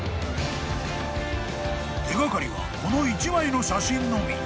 ［手掛かりはこの１枚の写真のみ］